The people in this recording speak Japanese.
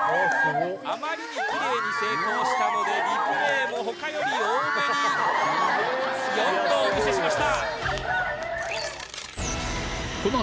あまりにきれいに成功したのでリプレーもほかより多めに４度お見せしました。